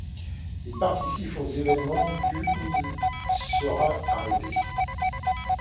Il participe aux événements du où il sera arrêté.